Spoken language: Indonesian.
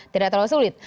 tidak terlalu sulit